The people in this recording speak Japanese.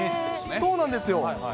そうなんですよ。